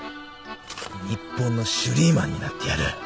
日本のシュリーマンになってやる